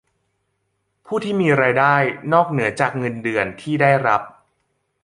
ผู้ที่มีรายได้นอกเหนือจากเงินเดือนที่ได้รับ